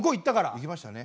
行きましたね。